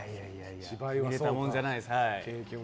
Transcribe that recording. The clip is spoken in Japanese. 見れたもんじゃないです。